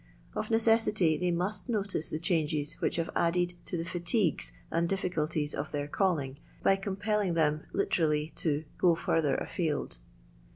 Of necessity they must notice ges which have added to the £stigues and ss of their calling, by compelling them, to "go further afield."